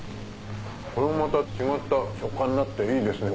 これもまた違った食感になっていいですね